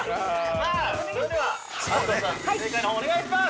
◆さあ、それでは安藤さん、正解のほうをお願いします！